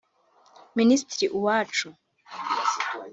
Minisitiri Uwacu